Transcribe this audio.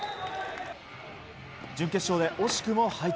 準決勝で惜しくも敗退。